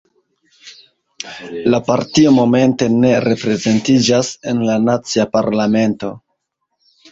La partio momente ne reprezentiĝas en la nacia parlamento.